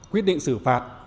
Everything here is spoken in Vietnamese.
quyết định xử phạt